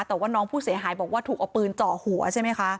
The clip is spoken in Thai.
แต่ว่าน้องผู้เสียหายบอกว่าถูกเอาปืนเจาะหัวใช่ไหมคะ